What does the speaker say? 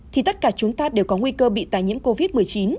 thì tất cả chúng ta đều có nguy cơ bị tài nhiễm covid một mươi chín